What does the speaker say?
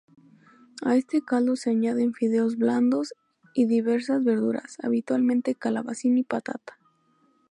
A este caldo se añaden fideos blandos y diversas verduras, habitualmente calabacín y patata.